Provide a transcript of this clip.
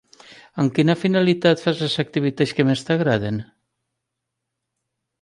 Amb quina finalitat fas les activitats que més t'agraden?